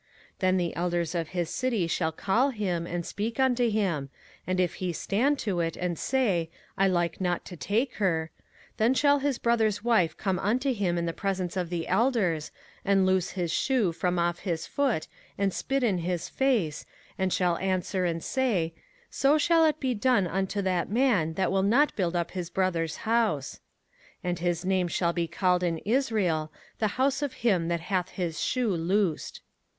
05:025:008 Then the elders of his city shall call him, and speak unto him: and if he stand to it, and say, I like not to take her; 05:025:009 Then shall his brother's wife come unto him in the presence of the elders, and loose his shoe from off his foot, and spit in his face, and shall answer and say, So shall it be done unto that man that will not build up his brother's house. 05:025:010 And his name shall be called in Israel, The house of him that hath his shoe loosed.